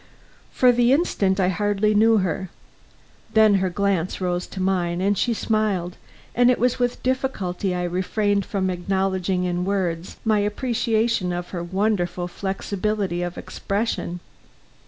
For the instant I hardly knew her; then her glance rose to mine and she smiled and it was with difficulty I refrained from acknowledging in words my appreciation of her wonderful flexibility of expression.